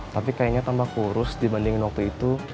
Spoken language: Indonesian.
tapi kayaknya tambah kurus dibandingin waktu itu